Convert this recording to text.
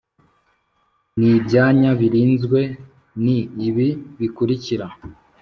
N ibyanya birinzwe ni ibi bikurikira